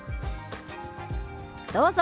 どうぞ。